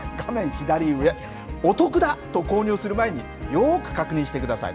左上お得だ、と購入する前によく確認してください。